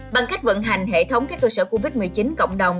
bằng cách vận hành hệ thống các cơ sở covid một mươi chín cộng đồng